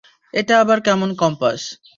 এটা আবার কেমন কম্পাস।